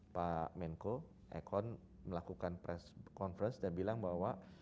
pak menko ekon melakukan press conference dan bilang bahwa